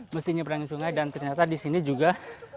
mesti nyeberangi sungai dan ternyata di sini juga